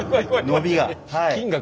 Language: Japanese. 伸びが。